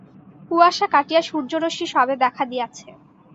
কুয়াশা কাটিয়া সূর্যরশ্মি সবে দেখা দিয়াছে।